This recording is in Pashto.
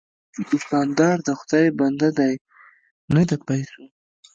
دوکاندار د خدای بنده دی، نه د پیسو.